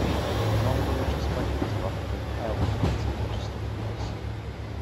Non-religious weddings are often held at a Register Office